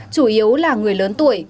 chủ yếu là người lớn tuổi